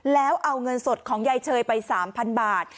แล้วเอาเงินสดของยายเชยไป๓๐๐บาท